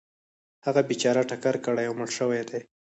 هغه بیچاره ټکر کړی او مړ شوی دی .